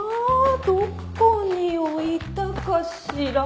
どこに置いたかしら？